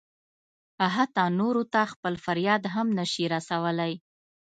حتی نورو ته خپل فریاد هم نه شي رسولی.